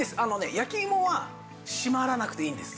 焼きいもは閉まらなくていいんです。